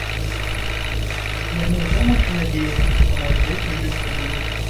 Яму ў помачы надзея, што, можа, лепей жыцца будзе.